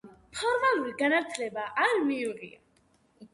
ფორმალური განათლება არ მიუღია.